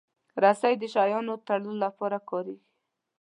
رسۍ د شیانو تړلو لپاره کارېږي.